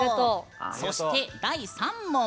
そして第３問。